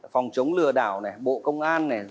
phòng chống lừa đảo này bộ công an này